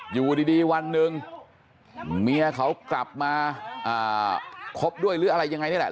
อยู่ดีวันหนึ่งเมียเขากลับมาคบด้วยหรืออะไรยังไงนี่แหละ